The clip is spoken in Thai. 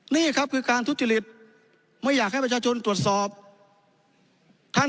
นี่ครับคือการทุจริตไม่อยากให้ประชาชนตรวจสอบท่าน